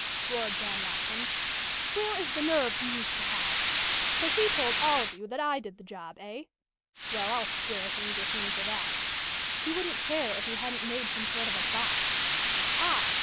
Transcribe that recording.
roared John Watkins. "Where is the nerve he used to have? So he told all of you that I did the job, eh? Well, I'll square things with him for that." "He wouldn't care if you hadn't made some sort of a botch " "I?